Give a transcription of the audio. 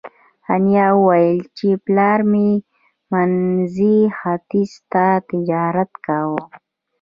انیلا وویل چې پلار مې منځني ختیځ ته تجارت کاوه